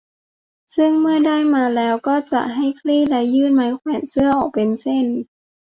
ซึ่งเมื่อได้มาแล้วก็ให้คลี่และยืดไม้แขวนเสื้อออกเป็นเส้น